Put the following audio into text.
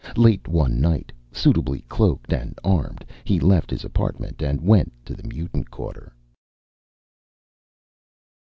Late one night, suitably cloaked and armed, he left his apartment and went to the Mutant Quarter.